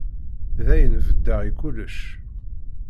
Dayen, beddeɣ i kullec.